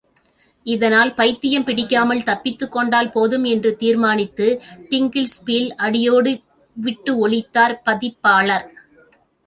இதனால் பைத்தியம் பிடிக்காமல் தப்பித்துக் கொண்டால் போதும் என்று தீர்மானித்து டிங்கிள்ஸ் பீல் அடியோடு விட்டு ஒழித்தார் பதிப்பாளர்.